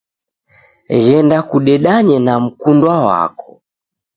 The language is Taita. Ghenda kudedanye na mkundwa wako.